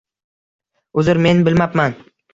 Uzr, men bilmabman.